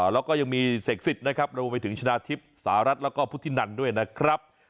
แล้วก็ยังมีเสกสิทธิ์นะครับรวมไปถึงชนะทิพย์สหรัฐแล้วก็พุทธินันด้วยนะครับ